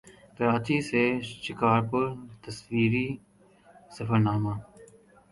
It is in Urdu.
کراچی سے شکارپور تصویری سفرنامہ